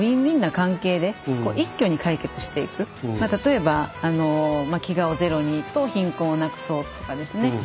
まあ例えば「飢餓をゼロに」と「貧困をなくそう」とかですね